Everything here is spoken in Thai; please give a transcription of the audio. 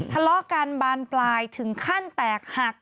ทะเลาะกันบานปลายถึงขั้นแตกหัก